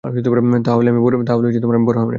তাহলে আমি বড়ো হারামি।